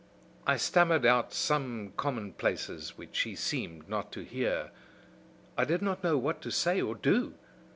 I stammered out some commonplaces which she seemed not to hear. I did not know what to say or do.